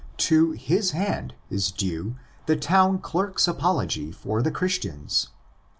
To his hand is due the town clerk's apology for the Christians.